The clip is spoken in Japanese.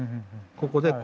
ここで。